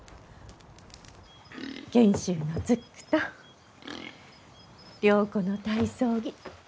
賢秀のズックと良子の体操着。